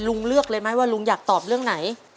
เลือกเลยไหมว่าลุงอยากตอบเรื่องไหน